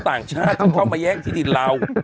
ต่างชาติเข้ามาแย่งที่ดินราว